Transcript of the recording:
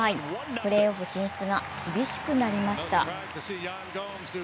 プレーオフ進出が厳しくなりました。